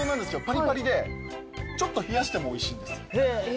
パリパリでちょっと冷やしてもおいしいんですよ冷蔵庫で。